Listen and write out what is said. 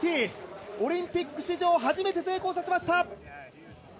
オリンピック史上初めて成功させました。